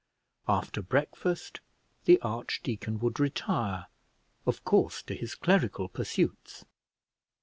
After breakfast the archdeacon would retire, of course to his clerical pursuits.